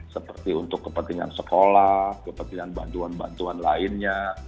seperti untuk kepentingan sekolah kepentingan bantuan bantuan lainnya